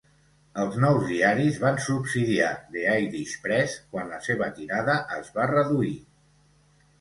Els nous diaris van subsidiar "The Irish Press" quan la seva tirada es va reduir.